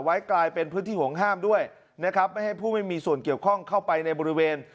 ไว้กลายเป็นพื้นที่ห่วงห้ามด้วยนะครับไม่ให้ผู้ไม่มีส่วนเกี่ยวข้องเข้าไปในบริเวณ